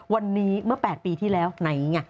วันนี้เมื่อ๘ปีที่แล้วไหนไง